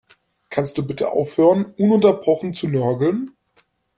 Kannst du bitte aufhören, ununterbrochen zu nörgeln?